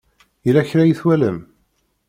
Yella kra i twalam?